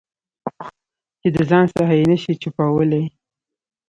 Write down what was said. چې د ځان څخه یې نه شې چپولای.